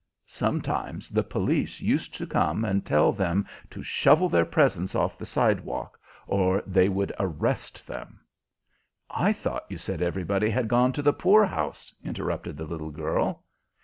Sometimes the police used to come and tell them to shovel their presents off the sidewalk, or they would arrest them. "I thought you said everybody had gone to the poor house," interrupted the little girl.